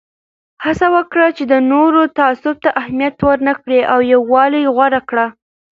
هڅه وکړه چې د نورو تعصب ته اهمیت ورنه کړې او یووالی غوره کړه.